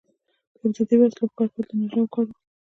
په ابتدايي وسلو ښکار کول د نارینه وو کار و.